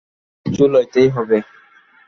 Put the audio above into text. কিছু লইতেই হইবে।